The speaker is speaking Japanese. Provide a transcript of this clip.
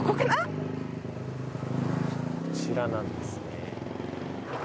こちらなんですね。